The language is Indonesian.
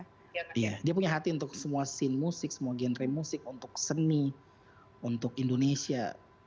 dia punya hati untuk semua scene musik semua genre musik untuk seni untuk indonesia